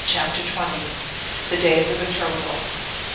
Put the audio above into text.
CHAPTER XX. The Day of the Betrothal.